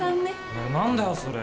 えっ何だよそれ。